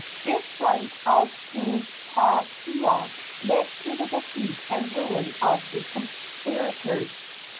This slight of Pupuakea led to the defeat and ruin of the conspirators.